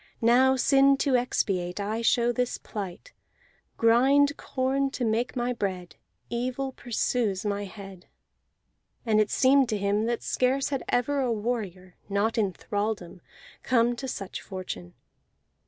Now, sin to expiate, I show this plight: Grind corn to make my bread. Evil pursues my head." And it seemed to him that scarce ever had a warrior, not in thraldom, come to such fortune.